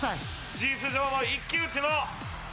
事実上の一騎打ちの。